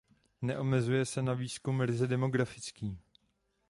Neomezuje se na výzkum ryze demografický.